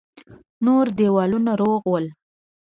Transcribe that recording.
نور دېوالونه روغ ول.